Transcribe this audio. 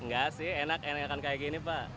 enggak sih enak enakan kayak gini pak